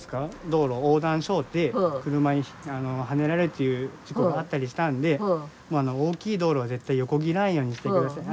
道路横断しょうて車にはねられるという事故があったりしたんで大きい道路は絶対横切らんようにしてください。